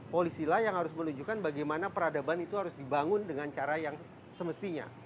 polisilah yang harus menunjukkan bagaimana peradaban itu harus dibangun dengan cara yang semestinya